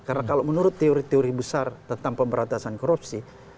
karena kalau menurut teori teori besar tentang pemberantasan korupsi